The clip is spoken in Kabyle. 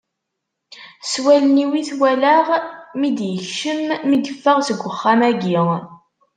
S wallen-iw i t-walaɣ mi d-yekcem, mi yeffeɣ seg uxxam-agi.